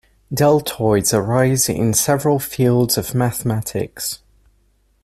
Deltoids arise in several fields of mathematics.